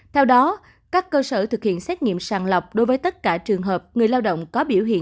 theo đó các cơ sở thực hiện xét nghiệm sàng lọc đối với tất cả trường hợp người lao động có biểu hiện